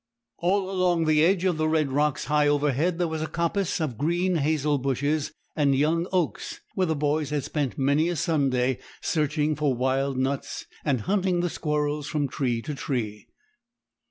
All along the edge of the red rocks high overhead there was a coppice of green hazel bushes and young oaks, where the boys had spent many a Sunday searching for wild nuts, and hunting the squirrels from tree to tree.